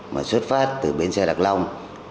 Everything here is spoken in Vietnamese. mà xuất phát từ bến xe đặc long